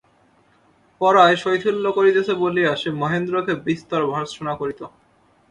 পড়ায় শৈথিল্য করিতেছে বলিয়া সে মহেন্দ্রকে বিস্তর ভর্ৎসনা করিত।